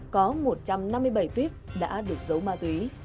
có một trăm năm mươi bảy tuyết